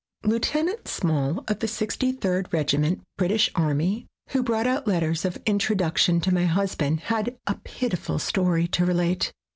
Lieutenant Small, of the Sixty third Eegiment, British Army, who brought out letters of introduction to my husband, had a pitiful story to relate.